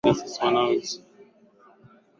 mmoja wa wabunge hao ambao tulizungumza nao